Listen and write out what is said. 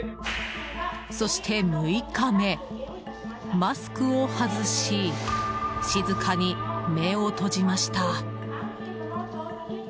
そして６日目、マスクを外し静かに目を閉じました。